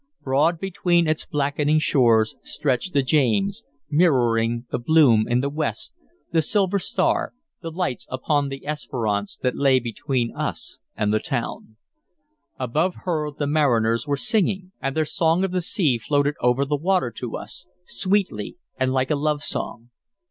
Broad between its blackening shores stretched the James, mirroring the bloom in the west, the silver star, the lights upon the Esperance that lay between us and the town. Aboard her the mariners were singing, and their song of the sea floated over the water to us, sweetly and like a love song.